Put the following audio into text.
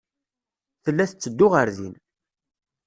Tella tetteddu ɣer din.